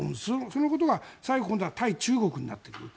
そのことが今度は対中国になってくる。